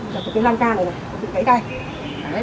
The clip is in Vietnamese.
đập cái lăn can này này cô bị gãy tay